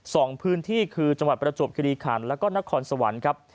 สองพื้นที่คือจังหวัดประจวบคิริขันแล้วก็นครสวรรค์ครับ